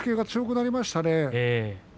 強くなりましたね。